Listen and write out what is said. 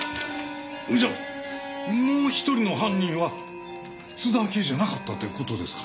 それじゃもう１人の犯人は津田明江じゃなかったって事ですか？